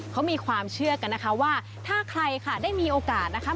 เขามีความเชื่อกันนะคะว่าถ้าใครค่ะได้มีโอกาสนะคะ